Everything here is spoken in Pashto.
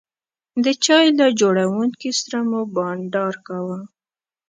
د چای له جوړونکي سره مو بانډار کاوه.